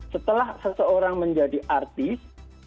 setelah seseorang menjadi artis